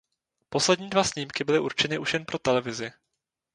Poslední dva snímky byly určeny už jen pro televizi.